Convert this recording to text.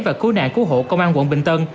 và cứu nạn cứu hộ công an quận bình tân